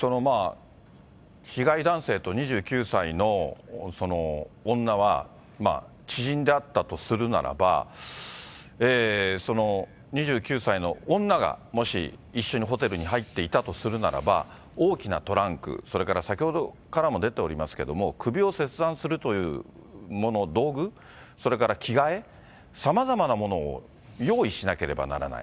被害男性と２９歳の女は、知人であったとするならば、２９歳の女がもし一緒にホテルに入っていたとするならば、大きなトランク、それから先ほどからも出ておりますけれども、首を切断するというもの、道具、それから着替え、さまざまなものを用意しなければならない。